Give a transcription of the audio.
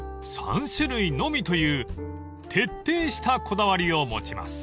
３種類のみという徹底したこだわりを持ちます］